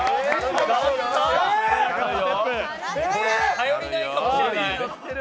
頼りないかもしれない。